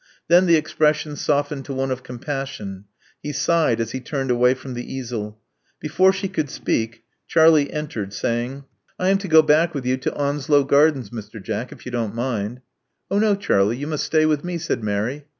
Then the expression softened to one of compassion; he sighed as he turned away from the easel. Before she could speak Charlie entered, say ing: 24 Love Among the Artists I am to go back with you to Onslow Gardens, Mr. Jack, if you don't mind." Oh, no, Charlie: you must stay with me," said Mary.